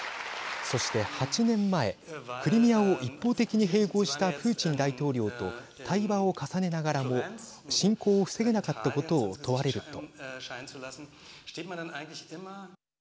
そして８年前クリミアを一方的に併合したプーチン大統領と対話を重ねながらも侵攻を防げなかったことを問われると。